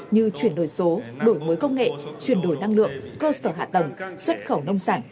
như chuyển đổi số đổi mới công nghệ chuyển đổi năng lượng cơ sở hạ tầng xuất khẩu nông sản